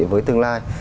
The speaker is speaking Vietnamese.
với tương lai